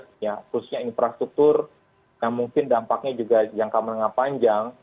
khususnya infrastruktur yang mungkin dampaknya juga jangka menengah panjang